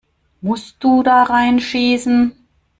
Musst du da rein schießen?